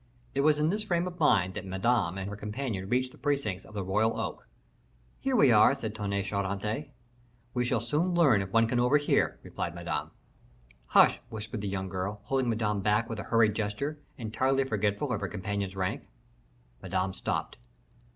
It was in this frame of mind that Madame and her companion reached the precincts of the royal oak. "Here we are," said Tonnay Charente. "We shall soon learn if one can overhear," replied Madame. "Hush!" whispered the young girl, holding Madame back with a hurried gesture, entirely forgetful of her companion's rank. Madame stopped.